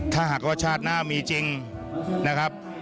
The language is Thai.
ถ้าหากว่าชาติหน้ามีจริงนะครับ